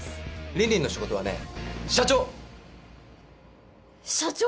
リンリンの仕事はね社長社長！？